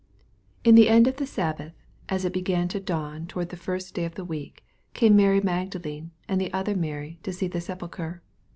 1 In the end of the sabbath, as it began to dawn toward the first da,y of the week, came Mary Magdalene an4 the other Mary to see the sepul chre.